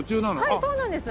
はいそうなんです。